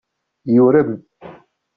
Yurem.